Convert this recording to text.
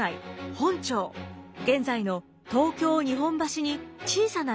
本町現在の東京・日本橋に小さな店を借ります。